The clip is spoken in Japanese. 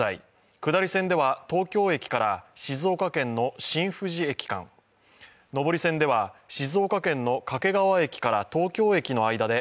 下り線では東京駅から静岡県の新富士駅間、上り線では静岡県の掛川駅から東京駅の間で